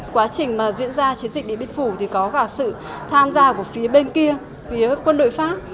quá trình diễn ra chiến dịch điện biên phủ thì có cả sự tham gia của phía bên kia phía quân đội pháp